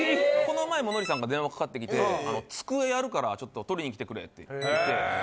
この前もノリさんから電話かかってきて机やるからちょっと取りにきてくれって言って。